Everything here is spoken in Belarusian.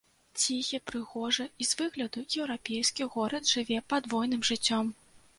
Ціхі, прыгожы і з выгляду еўрапейскі горад жыве падвойным жыццём.